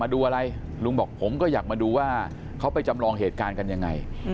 ดูอะไรลุงบอกผมก็อยากมาดูว่าเขาไปจำลองเหตุการณ์กันยังไง